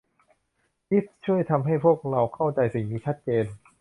จีฟส์ ช่วยทำให้พวกเราเข้าใจสิ่งนี้ชัดเจน